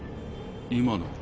今の。